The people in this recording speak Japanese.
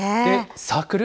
サークル？